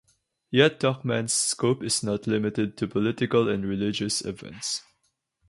Yet Tuchman's scope is not limited to political and religious events.